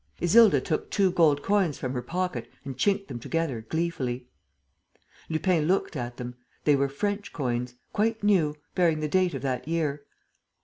Isilda took two gold coins from her pocket and chinked them together, gleefully. Lupin looked at them. They were French coins, quite new, bearing the date of that year.